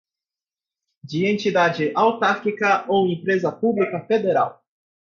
de entidade autárquica ou de empresa pública federal